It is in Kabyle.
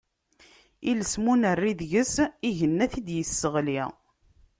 Iles, ma ur nerri deg-s, igenni ad t-id-yesseɣli.